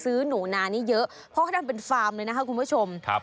ซื้อนูนานี่เยอะเพราะเขาทำเป็นฟาร์มเลยนะครับคุณผู้ชม